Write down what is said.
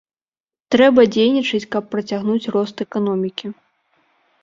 Трэба дзейнічаць, каб працягнуць рост эканомікі.